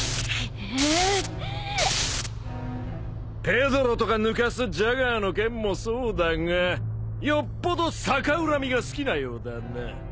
ペドロとかぬかすジャガーの件もそうだがよっぽど逆恨みが好きなようだな。